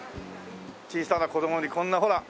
小さな子供にこんなほら。